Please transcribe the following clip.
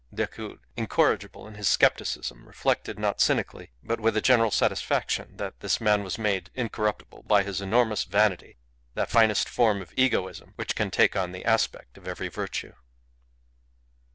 Decoud, incorrigible in his scepticism, reflected, not cynically, but with general satisfaction, that this man was made incorruptible by his enormous vanity, that finest form of egoism which can take on the aspect of every virtue.